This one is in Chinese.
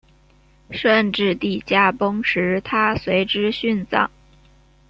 顺治帝驾崩时她随之殉葬。